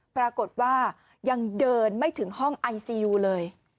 ปรากฏว่ายังเดินไม่ถึงห้องไอซียูเลย